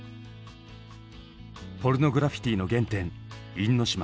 ポルノグラフィティの原点因島。